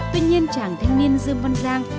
tuy nhiên chàng thanh niên dương văn giang